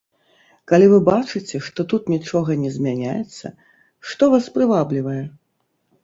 Калі вы бачыце, што тут нічога не змяняецца, што вас прываблівае?